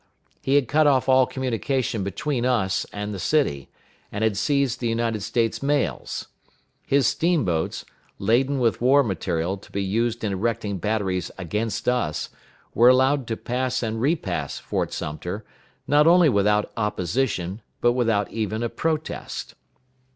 He had cut off all communication between us and the city, and had seized the United States mails. His steamboats, laden with war material to be used in erecting batteries against us, were allowed to pass and repass Fort Sumter, not only without opposition, but without even a protest.